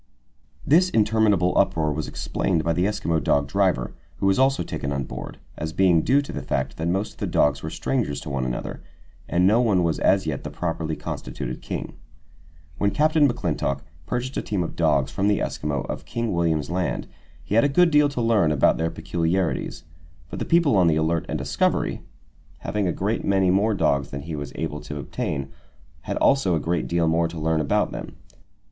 This interminable uproar was explained by the Eskimo dog driver, who was also taken on board, as being due to the fact that most of the dogs were strangers to one another, and no one was as yet the properly constituted king. When Captain McClintock purchased a team of dogs from the Eskimo of King William's Land, he had a good deal to learn about their peculiarities; but the people on the Alert and the Discovery, having a great many more dogs than he was able to obtain, had also a great deal more to learn about them.